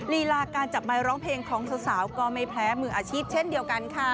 ลีลาการจับไมค์ร้องเพลงของสาวก็ไม่แพ้มืออาชีพเช่นเดียวกันค่ะ